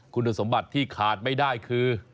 คุณสมบัติที่ขาดไม่ได้คือ